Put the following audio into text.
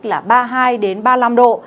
là ba mươi hai ba mươi năm độ